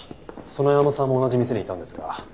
園山さんも同じ店にいたんですが偶然ですか？